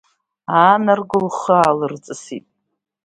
Аанарго, лхы аалырҵысит.